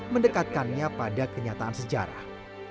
mendekatkannya pada kenyataan sejarah